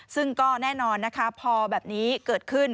ซึ่งก็แน่นอนนะคะพอแบบนี้เกิดขึ้น